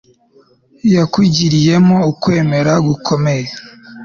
yakugiriyemo ukwemera gukomeye